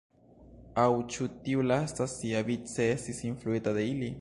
Aŭ ĉu tiu lasta siavice estis influita de ili?